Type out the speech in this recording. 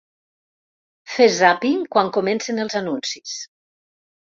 Fer zàping quan comencen els anuncis.